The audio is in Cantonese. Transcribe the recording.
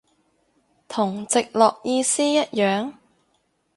同直落意思一樣？